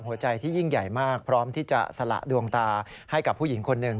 หัวใจที่ยิ่งใหญ่มากพร้อมที่จะสละดวงตาให้กับผู้หญิงคนหนึ่ง